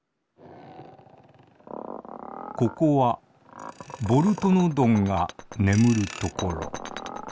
ここはボルトノドンがねむるところ。